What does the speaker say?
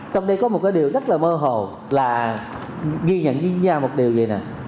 trong đây có một cái điều rất là mơ hồ là ghi nhận như như là một điều gì nè